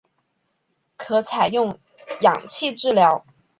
可采用氧气治疗。